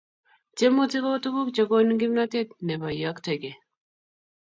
Tiemutik kotukuk che konin kimnatet ne bo iyoktekei